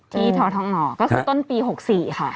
ที่ท้อท้องห่อก็คือต้นปี๖๔ค่ะ